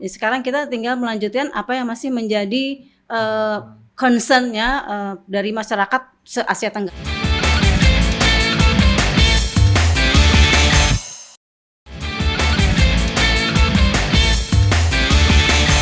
sekarang kita tinggal melanjutkan apa yang masih menjadi concernnya dari masyarakat se asia tenggara